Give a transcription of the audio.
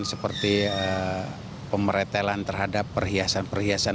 seperti pemeretelan terhadap perhiasan perhiasan